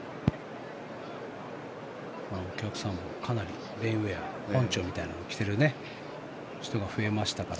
お客さんもかなりレインウェアポンチョみたいなのを着ている人が増えましたから。